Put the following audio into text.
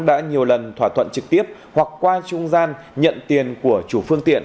đã nhiều lần thỏa thuận trực tiếp hoặc qua trung gian nhận tiền của chủ phương tiện